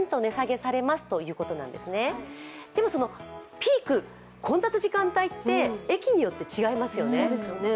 ピーク、混雑時間帯って駅によって違いますよね。